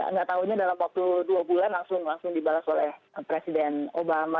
nggak tahunya dalam waktu dua bulan langsung dibalas oleh presiden obama